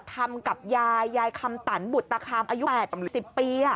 ทำกับยายยายคำตนบุตรคาร์มอายุแปดสิบปีอะ